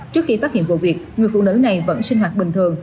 trước khi phát hiện vụ việc người phụ nữ này vẫn sinh hoạt bình thường